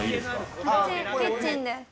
キッチンです。